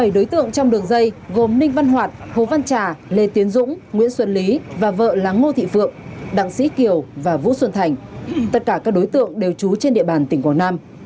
bảy đối tượng trong đường dây gồm ninh văn hoạt hồ văn trà lê tiến dũng nguyễn xuân lý và vợ là ngô thị phượng đặng sĩ kiều và vũ xuân thành tất cả các đối tượng đều trú trên địa bàn tỉnh quảng nam